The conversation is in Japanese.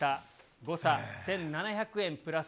誤差１７００円プラス。